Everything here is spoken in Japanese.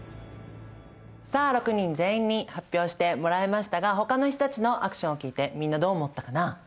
さあ６人全員に発表してもらいましたがほかの人たちのアクションを聞いてみんなどう思ったかな？